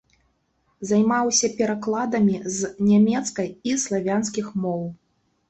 Займаўся перакладамі з нямецкай і славянскіх моў.